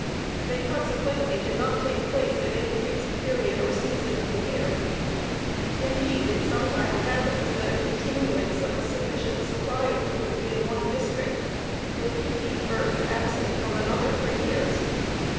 They consequently do not take place at any fixed period or season of the year. Indeed, it sometimes happens that a continuance of a sufficient supply of food in one district will keep these birds absent from another for years.